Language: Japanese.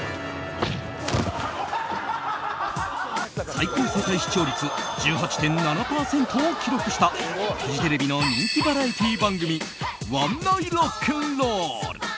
最高世帯視聴率１８．７％を記録したフジテレビの人気バラエティー番組「ワンナイＲ＆Ｒ」。